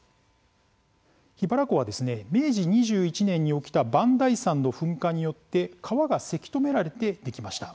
桧原湖は明治２１年に起きた磐梯山の噴火によって川がせき止められてできました。